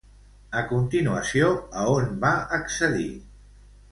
A continuació, a on va accedir?